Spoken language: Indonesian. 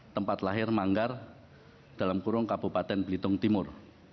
tempat lahir manggar dalam kurung kabupaten belitung timur